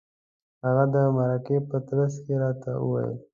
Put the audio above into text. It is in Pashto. هغه د مرکې په ترڅ کې راته وویل.